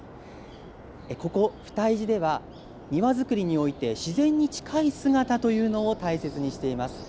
ここ、不退寺では、庭造りにおいて、自然に近い姿というのを大切にしています。